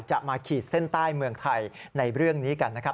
มาขีดเส้นใต้เมืองไทยในเรื่องนี้กันนะครับ